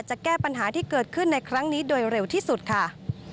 จะแก้ปัญหาที่เกิดขึ้นในครั้งนี้โดยเร็วที่สุดค่ะ